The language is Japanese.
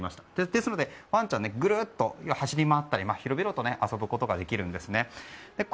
ですので、ワンちゃんぐるっと走り回ったり広々と遊ぶことができます。